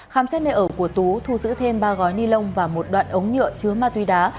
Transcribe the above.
khám xét nơi ở của tú thu giữ thêm ba gói ni lông và một đoạn ống nhựa chứa ma túy đá